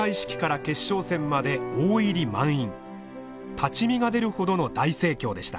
立ち見が出るほどの大盛況でした。